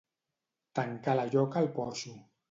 Tancar la lloca al porxo.